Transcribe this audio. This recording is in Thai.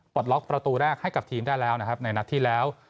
ล็อกประตูแรกให้กับทีมได้แล้วนะครับในนัดที่แล้ว